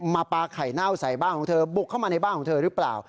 ปลาไข่เน่าใส่บ้านของเธอบุกเข้ามาในบ้านของเธอหรือเปล่า